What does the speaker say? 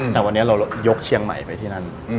แต่วันนี้เรายกเชียงใหม่ไปที่นั่น